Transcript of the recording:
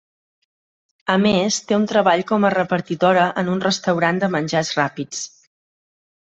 A més, té un treball com a repartidora en un restaurant de menjars ràpids.